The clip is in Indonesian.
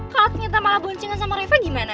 kalo ternyata malah boncengan sama reva gimana